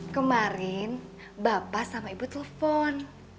kemarin bapak sama ibu telepon